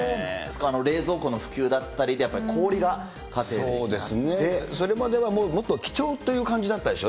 冷蔵庫の普及だったり、それまではもっと貴重という感じだったでしょ？